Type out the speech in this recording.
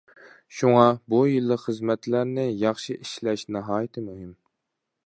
شۇڭا، بۇ يىللىق خىزمەتلەرنى ياخشى ئىشلەش ناھايىتى مۇھىم.